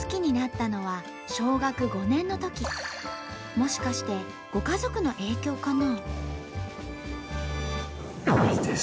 もしかしてご家族の影響かな？